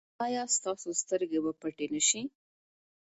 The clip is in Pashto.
ایا ستاسو سترګې به پټې نه شي؟